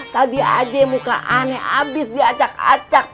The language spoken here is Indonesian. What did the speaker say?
tadi aja muka aneh abis diacak acak